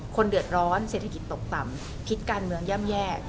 คนเดือดร้อนเศรษฐกิจตกต่ำพิษการเมืองย่ำแย่